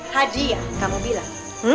hadiah kamu bilang